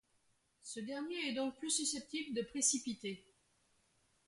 Ce dernier est donc plus susceptible de précipiter.